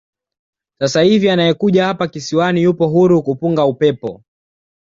Sasa hivi anayekuja hapa kisiwani yupo huru kupunga upepo